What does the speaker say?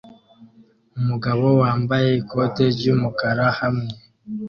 Umugabo wambaye ikote ryumukara hamwe